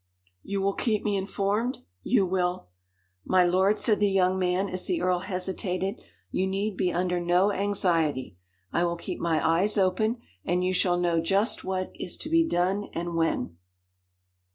"You will keep me informed you will " "My lord," said the young man as the earl hesitated, "you need be under no anxiety. I will keep my eyes open, and you shall know just what is to be done and when."